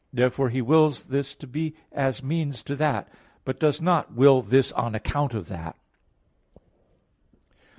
Therefore, He wills this to be as means to that; but does not will this on account of that.